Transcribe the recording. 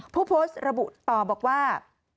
ผู้โพสต์ระบุต่อบอกว่า